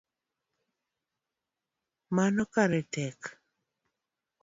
Mano kare wachneno tek